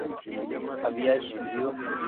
¿habíais vivido?